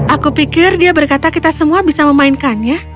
aku pikir dia berkata kita semua bisa memainkannya